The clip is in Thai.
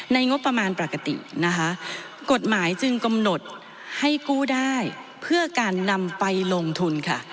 งบประมาณปกตินะคะกฎหมายจึงกำหนดให้กู้ได้เพื่อการนำไปลงทุนค่ะ